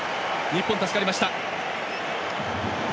日本、助かりました。